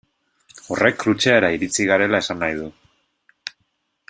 Horrek Krutxeara iritsi garela esan nahi du.